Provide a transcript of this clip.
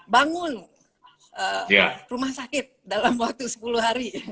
bangun rumah sakit dalam waktu sepuluh hari